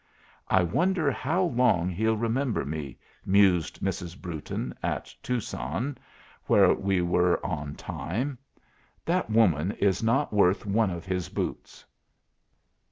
"I wonder how long he'll remember me?" mused Mrs. Brewton at Tucson, where we were on time. "That woman is not worth one of his boots."